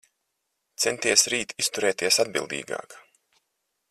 Centies rīt izturēties atbildīgāk.